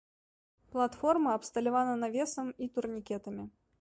Платформа абсталявана навесам і турнікетамі.